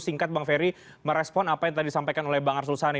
singkat bang ferry merespon apa yang tadi disampaikan oleh bang arsul sani